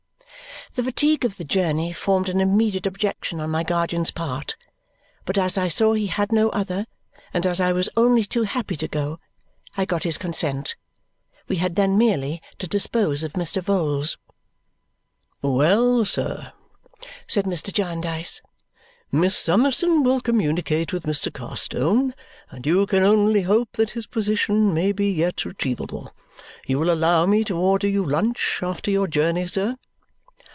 The fatigue of the journey formed an immediate objection on my guardian's part, but as I saw he had no other, and as I was only too happy to go, I got his consent. We had then merely to dispose of Mr. Vholes. "Well, sir," said Mr. Jarndyce, "Miss Summerson will communicate with Mr. Carstone, and you can only hope that his position may be yet retrievable. You will allow me to order you lunch after your journey, sir."